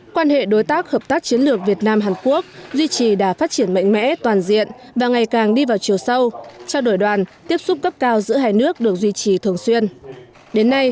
quan hệ đối tác hợp tác chiến lược việt nam hàn quốc duy trì đà phát triển mạnh mẽ toàn diện và ngày càng đi vào chiều sâu trao đổi đoàn tiếp xúc cấp cao giữa hai nước được duy trì thường xuyên